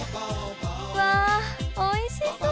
うわおいしそう！